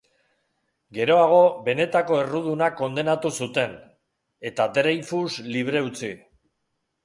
Geroago benetako erruduna kondenatu zuten, eta Dreyfus libre utzi.